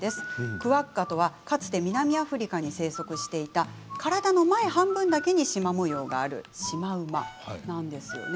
クアッガとはかつて南アフリカに生息していた体の半分だけしま模様があるシマウマです。